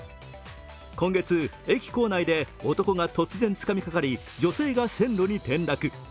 今月、駅構内で男が突然つかみかかり、女性が線路に転落。